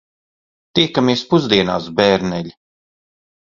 Tiekamies pusdienās, bērneļi.